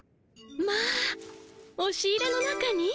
まあおし入れの中に？